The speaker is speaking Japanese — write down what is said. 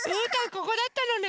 ここだったのね。